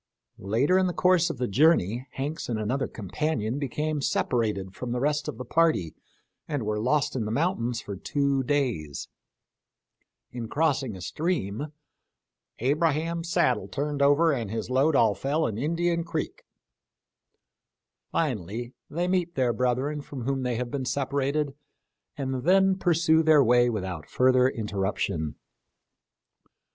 Later in the course of the journey. Hanks and another companion became separated from the rest of the party and were lost in the mountains for two days ; in crossing a stream " Abraham's saddle turned over and his load all fell in Indian creek "; finally they meet their brethren from whom they have been separated and then pursue their way without further interruption.